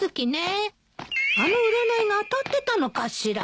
あの占いが当たってたのかしら。